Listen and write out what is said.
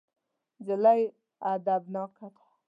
نجلۍ ادبناکه ده.